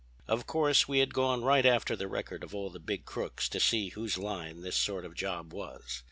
"Of course we had gone right after the record of all the big crooks to see whose line this sort of job was.